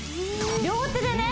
両手でね